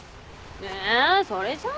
えそれじゃあね。